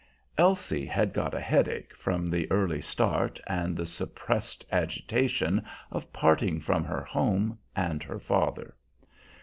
Elsie had got a headache from the early start and the suppressed agitation of parting from her home and her father.